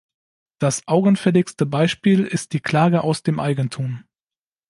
Das augenfälligste Beispiel ist die Klage aus dem Eigentum.